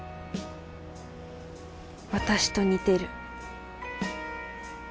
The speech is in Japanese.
私と似てる。